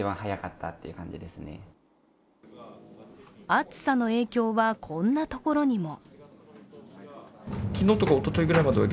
暑さの影響は、こんなところにも。